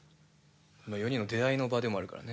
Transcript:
４人の出会いの場でもあるからね。